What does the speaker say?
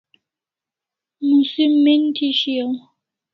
Musim men'j thi shiau